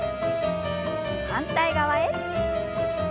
反対側へ。